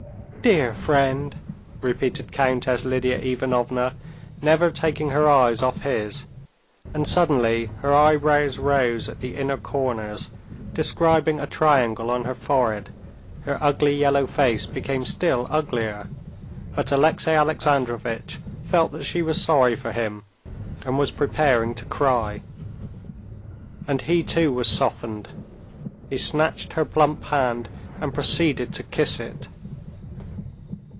"Dear friend!" repeated Countess Lidia Ivanovna, never taking her eyes off his, and suddenly her eyebrows rose at the inner corners, describing a triangle on her forehead, her ugly yellow face became still uglier, but Alexey Alexandrovitch felt that she was sorry for him and was preparing to cry. And he too was softened; he snatched her plump hand and proceeded to kiss it.